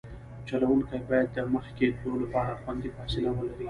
چلوونکی باید د مخکې تلو لپاره خوندي فاصله ولري